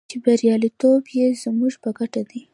چې بریالیتوب یې زموږ په ګټه دی.